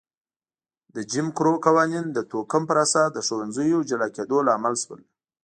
د جیم کرو قوانین د توکم پر اساس د ښوونځیو جلا کېدو لامل شول.